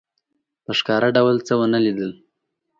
په ښکاره ډول څه ونه لیدل.